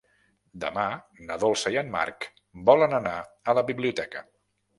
Demà na Dolça i en Marc volen anar a la biblioteca.